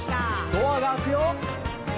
「ドアが開くよ」